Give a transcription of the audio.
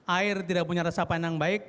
air tidak punya resapan yang baik